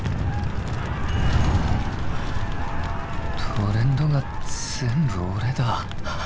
トレンドが全部俺だ。